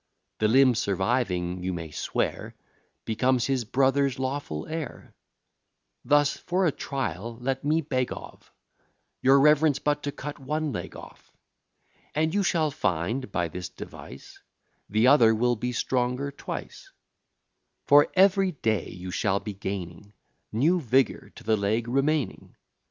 The limb surviving, you may swear, Becomes his brother's lawful heir: Thus, for a trial, let me beg of Your reverence but to cut one leg off, And you shall find, by this device, The other will be stronger twice; For every day you shall be gaining New vigour to the leg remaining.